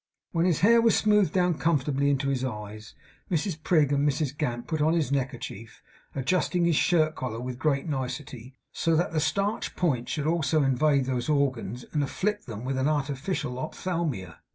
When his hair was smoothed down comfortably into his eyes, Mrs Prig and Mrs Gamp put on his neckerchief; adjusting his shirt collar with great nicety, so that the starched points should also invade those organs, and afflict them with an artificial ophthalmia.